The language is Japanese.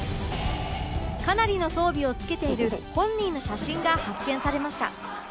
かなりの装備を着けている本人の写真が発見されました